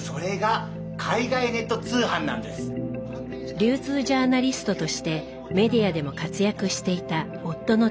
流通ジャーナリストとしてメディアでも活躍していた夫の哲雄さん。